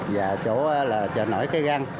và chỗ chợ nổi trái răng